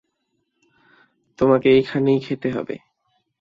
তোমাকে এইখানেই খেতে হবে।